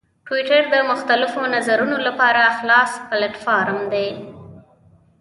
ټویټر د مختلفو نظرونو لپاره خلاص پلیټفارم دی.